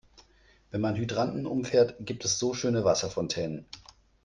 Wenn man Hydranten umfährt, gibt es so schöne Wasserfontänen.